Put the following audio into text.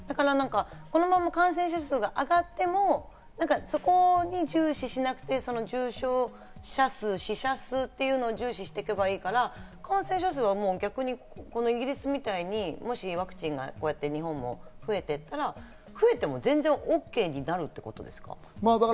このまま感染者数が上がっても、そこに注視しなくて、重症者数、死者数っていうのを重視していけばいいから感染者数はイギリスみたいに、もしワクチンがこうやって日本も増えていったら、増えても全然ＯＫになるってことですか？